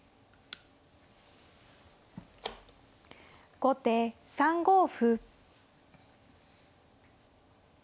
後手３五歩。